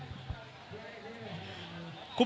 อย่างที่บอกไปว่าเรายังยึดในเรื่องของข้อ